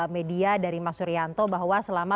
media dari mas suryanto bahwa selama